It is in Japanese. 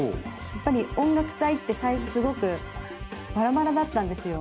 やっぱり音楽隊って最初すごくバラバラだったんですよ